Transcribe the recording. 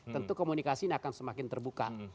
tentu komunikasi ini akan semakin terbuka